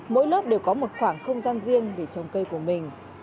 mỗi lớp đều có một khoảng không gian riêng để trồng cây của mình